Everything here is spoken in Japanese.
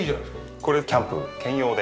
これキャンプ兼用で。